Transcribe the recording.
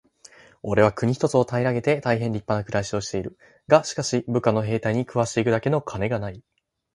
「おれは国一つを平げて大へん立派な暮しをしている。がしかし、部下の兵隊に食わして行くだけの金がない。」